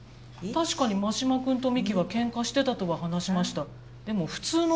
確かに真島君と美希はケンカしてたとは話しました